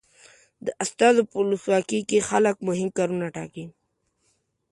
د استازو په ولسواکي کې خلک مهم کارونه ټاکي.